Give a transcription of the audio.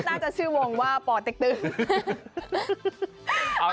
ก็ต้องใช้วงว่าป่อติ๊กตื้ง